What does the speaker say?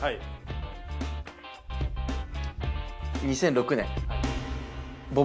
２００６年。